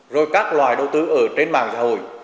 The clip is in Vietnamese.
rồi các loài đầu tư ở trên mạng xã hội